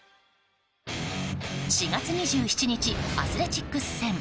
４月２７日、アスレチックス戦。